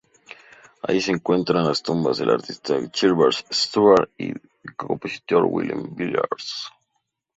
Ahí se encuentran las tumbas del artista Gilbert Stuart y del compositor William Billings.